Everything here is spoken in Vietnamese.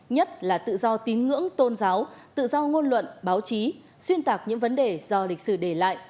nhất là tự do tín ngưỡng tôn giáo tự do ngôn luận báo chí xuyên tạc những vấn đề do lịch sử để lại